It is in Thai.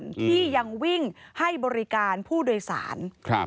ที่ยังวิ่งให้บริการผู้โดยสารครับ